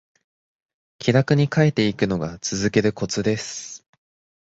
気楽に書いていくのが続けるコツです